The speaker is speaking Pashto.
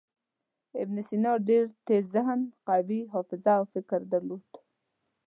ابن سینا ډېر تېز ذهن، قوي حافظه او فکر درلود.